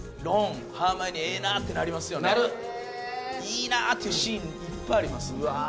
いいなあっていうシーンいっぱいありますんでわあ